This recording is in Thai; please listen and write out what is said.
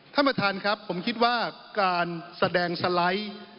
ท่านประธานครับผมคิดว่าการแสดงสไลด์